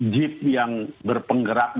jeep yang berpenggerak empat jam